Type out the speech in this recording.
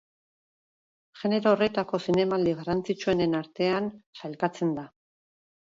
Genero horretako zinemaldi garrantzitsuenen artean sailkatzen da.